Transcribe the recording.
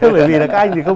bởi vì các anh thì cần